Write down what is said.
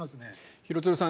廣津留さん